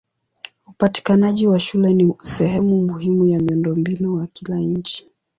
Upatikanaji wa shule ni sehemu muhimu ya miundombinu wa kila nchi.